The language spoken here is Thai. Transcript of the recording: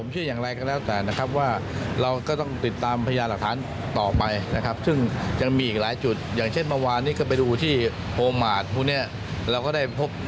คือเป็นอุปกรณ์ของการที่เกี่ยวข้องกับนี้ค่ะ